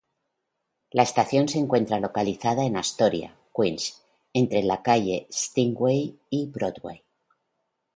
La estación se encuentra localizada en Astoria, Queens entre la Calle Steinway y Broadway.